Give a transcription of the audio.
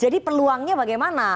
jadi peluangnya bagaimana